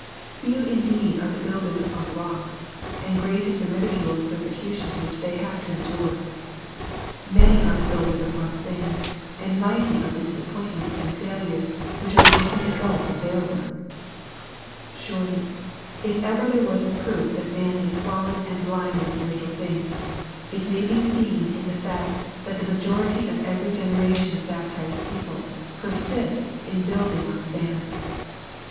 Few indeed are the builders upon rocks, and great is the ridicule and persecution which they have to endure ! Many are the builders upon sand, and mighty are the disappointments and failures which are the only result of their work I Surely, if ever there was a proof that man is fallen and blind in spiritual things, it may DC seen in the fact that the majority of every generation v)f baptized people, persist in building on sand.